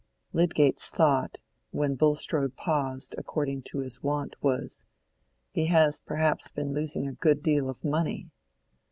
Lydgate's thought, when Bulstrode paused according to his wont, was, "He has perhaps been losing a good deal of money."